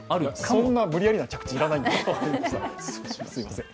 そんな無理やりな着地、要らない。